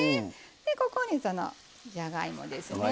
でここにじゃがいもですね。